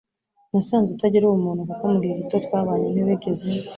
nasanze utagira ubumuntu kuko mu gihe gito twabanye ntiwigeze